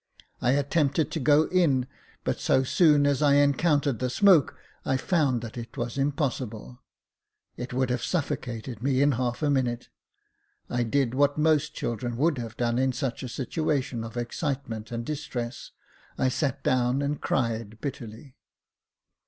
I attempted to go in, but so soon as I encountered the smoke I found that it was impossible ; it would have suffocated me in half a minute. I did what most children would have done in such a situation of excitement and distress — I sat down and cried bitterly.